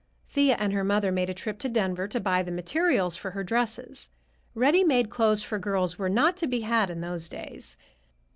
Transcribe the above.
Thea and her mother made a trip to Denver to buy the materials for her dresses. Ready made clothes for girls were not to be had in those days.